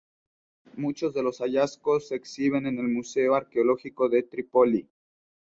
Muchos de los hallazgos se exhiben en el Museo Arqueológico de Trípoli.